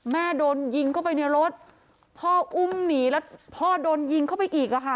โดนยิงเข้าไปในรถพ่ออุ้มหนีแล้วพ่อโดนยิงเข้าไปอีกอะค่ะ